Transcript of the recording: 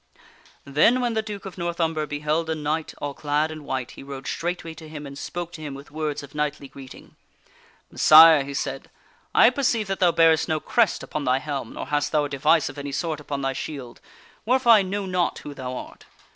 Then when the Duke of North Umber beheld a knight all clad in white, he rode straightway to him and spoke to him with words of knightly greeting. " Messire," he said, " I perceive that thou bearest no crest upon thy helm, nor hast thou a device of any sort upon thy shield, wherefore I know not who thou art.